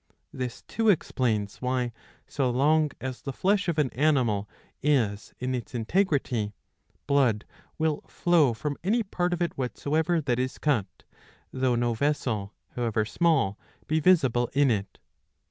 ''' This too explains why, so long as the flesh of an animal is in its integrity, blood will flow from any part of it whatsoever that is cut, though no vessel, however small, be visible in it.